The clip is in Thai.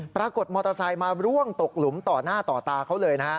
ปรากฏมอเตอร์ไซค์มาร่วงตกหลุมต่อหน้าต่อตาเขาเลยนะฮะ